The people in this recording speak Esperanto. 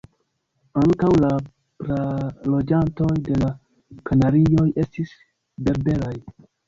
Ankaŭ la praloĝantoj de la Kanarioj estis berberaj.